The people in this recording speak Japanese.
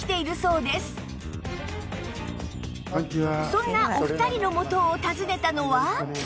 そんなお二人のもとを訪ねたのは